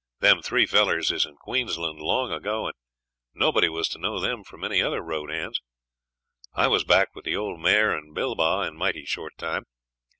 Them three fellers is in Queensland long ago, and nobody was to know them from any other road hands. I was back with the old mare and Bilbah in mighty short time.